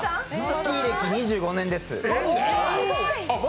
スキー歴２５年です。